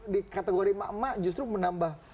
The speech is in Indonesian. di kategori emak emak justru menambah